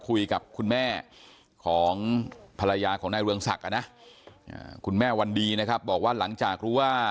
คุยกับคุณแม่ของภรรยาของนายเรืองศักดิ์นะคุณแม่วันดีนะครับบอกว่าหลังจากรู้ว่า